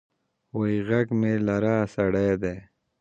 وې غږ مه لره سړي دي.